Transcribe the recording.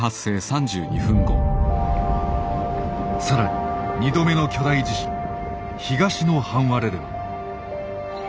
更に２度目の巨大地震東の半割れでは。